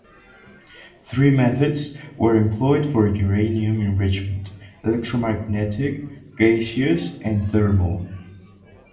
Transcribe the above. Three methods were employed for uranium enrichment: electromagnetic, gaseous and thermal.